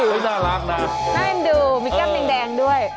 โอ้ยน่ารักนะให้มันดูมีกล้ามแดงด้วย